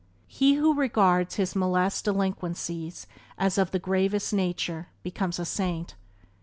He who regards his molest delinquencies as of the gravest nature becomes a saint.